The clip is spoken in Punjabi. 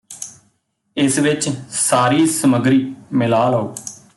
ਇਸ ਵਿਚ ਸਾਰੀ ਸਮੱਗਰੀ ਮਿਲਾ ਲਓ